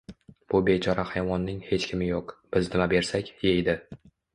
Bu bechora hayvonning hech kimi yo'q.Biz nima bersak, yeydi.